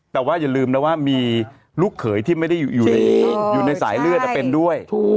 แต่ว่าอย่าลืมนะว่ามีลูกเขยที่ไม่ได้อยู่ในสายเลือดเป็นด้วย